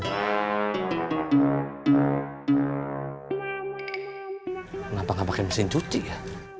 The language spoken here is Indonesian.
kenapa gak pakai mesin cuci ya